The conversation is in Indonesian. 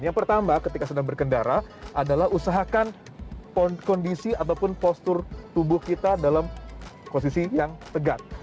yang pertama ketika sedang berkendara adalah usahakan kondisi ataupun postur tubuh kita dalam posisi yang tegat